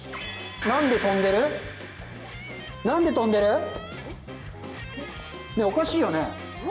何で飛んでる⁉ねぇおかしいよね？